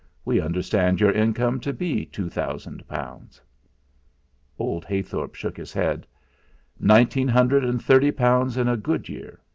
We understand your income to be two thousand pounds." Old Heythorp shook his head. "Nineteen hundred and thirty pounds in a good year.